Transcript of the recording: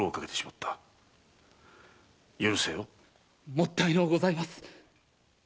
もったいのうございます。